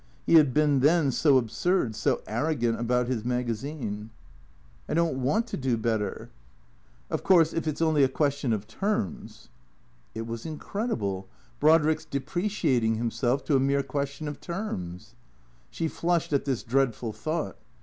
He had been then so absurd, so arrogant about his magazine. " I don't want to do better." 162 THECEEATOKS " Of course, if it 's only a question of terms " It was incredible, Brodrick's depreciating himself to a mere question of terms. She flushed at this dreadful thought.